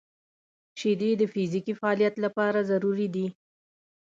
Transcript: • شیدې د فزیکي فعالیت لپاره ضروري دي.